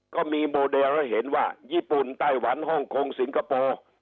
ก็มีโมเดลให้เห็นว่าญี่ปุ่นไต้หวันฮ่องกงสิงคโปร์